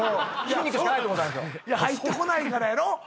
いや入ってこないからやろ？